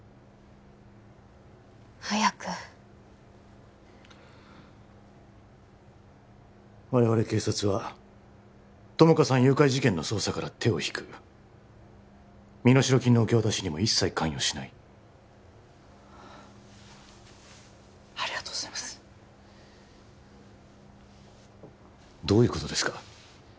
早く我々警察は友果さん誘拐事件の捜査から手を引く身代金の受け渡しにも一切関与しないありがとうございますどういうことですか？